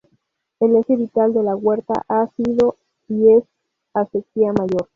El eje vital de la huerta ha sido y es la acequia mayor.